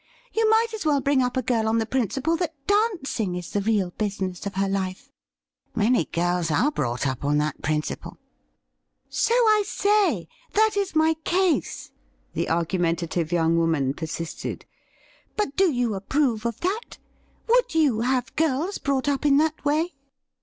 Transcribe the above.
You might as well bring up a girl on the principle that dancing is the real business of her life.' ' Many girls are brought up on that principle.' ' So I say — ^that is my case,' the argumentative young woman persisted. ' But do you approve of that ? Would you have girls brought up in that way